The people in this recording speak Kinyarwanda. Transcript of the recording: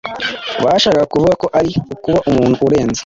bashakaga kuvuga ko ari ukuba umuntu urenze,